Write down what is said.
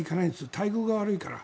待遇が悪いから。